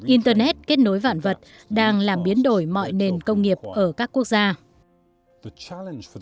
internet kết nối vạn vật đang làm biến đổi mọi nền công nghiệp ở các quốc gia